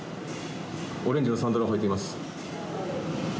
オレンジのサンダルを履いています。